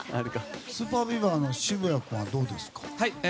ＳＵＰＥＲＢＥＡＶＥＲの渋谷君はどうですか？